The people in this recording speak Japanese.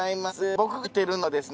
僕が来てるのはですね